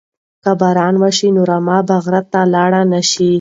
که باران وشي نو رمه به غره ته لاړه نشي.